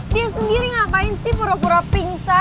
tia sendiri ngapain sih pura pura pingsan